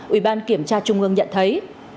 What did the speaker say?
ủy ban kiểm tra trung ương nhận thấy